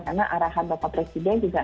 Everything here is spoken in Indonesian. karena arahan bapak presiden juga